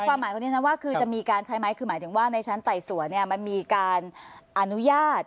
ความหมายคนนี้นะว่าคือจะมีการใช้ไหมคือหมายถึงว่าในชั้นไต่สวนมันมีการอนุญาต